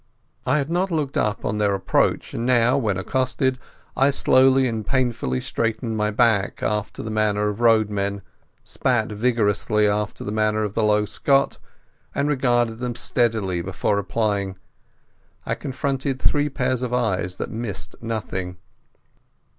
I had not looked up on their approach, and now, when accosted, I slowly and painfully straightened my back, after the manner of roadmen; spat vigorously, after the manner of the low Scot; and regarded them steadily before replying. I confronted three pairs of eyes that missed nothing.